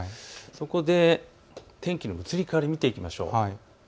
そこで天気の移り変わりを見ていきましょう。